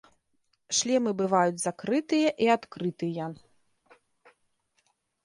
Шлемы бываюць закрытыя і адкрытыя.